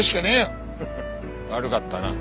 フフ悪かったな。